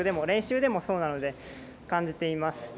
練習でもそうなので、感じています。